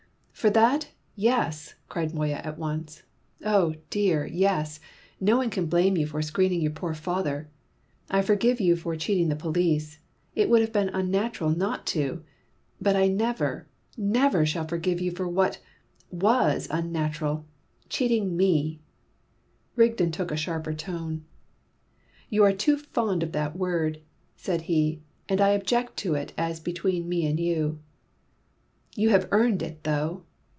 "For that, yes!" cried Moya at once. "Oh, dear, yes, no one can blame you for screening your poor father. I forgive you for cheating the police it would have been unnatural not to but I never, never shall forgive you for what was unnatural cheating me." Rigden took a sharper tone. "You are too fond of that word," said he, "and I object to it as between me and you." "You have earned it, though!"